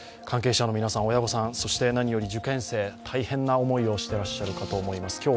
関係者の皆さん、親御さん、そしてなにより受験生、大変な思いをしていらっしゃると思います。